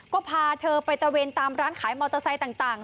ก็พาเธอไปตะเวนตามร้านขายมอเตอร์ไซค์ต่าง